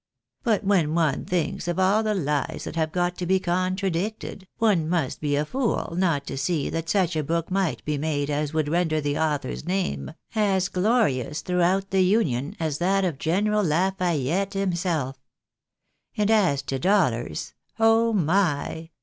But when one thinks of all the lies that have got to be contradicted, one must be a fool not to see that such a book might be made as would render the author's name as glorious throughout the Union as that of General Lafayette himself And as to dollars ! Oh, my